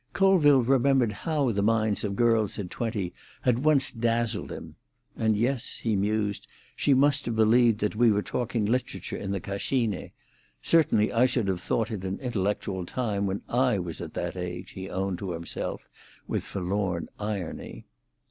Colville remembered how the minds of girls of twenty had once dazzled him. "And yes," he mused, "she must have believed that we were talking literature in the Cascine. Certainly I should have thought it an intellectual time when I was at that age," he owned to himself with forlorn irony.